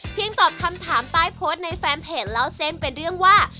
ตอบคำถามใต้โพสต์ในแฟนเพจเล่าเส้นเป็นเรื่องว่า